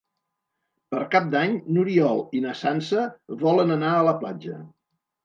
Per Cap d'Any n'Oriol i na Sança volen anar a la platja.